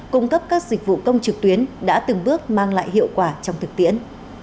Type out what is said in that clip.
cung cấp các dịch vụ công trực tuyến đã từng bước mang lại hiệu quả trong thực tiễn